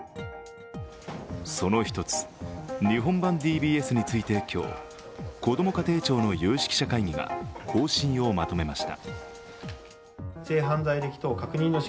その一つ、日本版ＤＢＳについて今日、こども家庭庁の有識者会議が方針をまとめました。